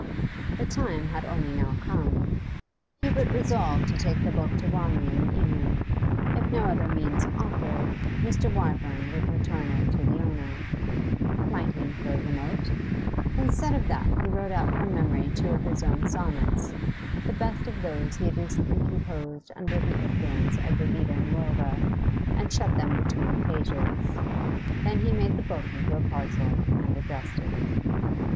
The time had only now come. Hubert resolved to take the book to Wanley in the evening; if no other means offered, Mr. Wyvern would return it to the owner. Might he enclose a note? Instead of that, he wrote out from memory two of his own sonnets, the best of those he had recently composed under the influence of the 'Vita Nuova,' and shut them between the pages. Then he made the book into a parcel and addressed it.